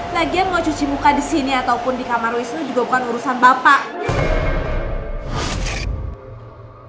lagian mau cuci muka di sini ataupun di kamar wisnu juga bukan urusan bapak